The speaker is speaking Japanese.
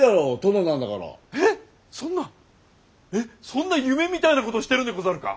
そんな夢みたいな事してるんでござるか？